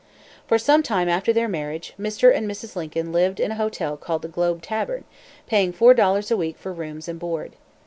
] For some time after their marriage, Mr. and Mrs. Lincoln lived in a hotel called the "Globe Tavern," paying four dollars a week for rooms and board.